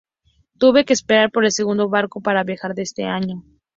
Tuve que esperar por el segundo barco para viajar de ese año".